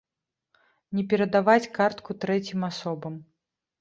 Не перадаваць картку трэцім асобам.